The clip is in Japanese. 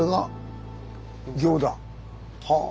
はあ。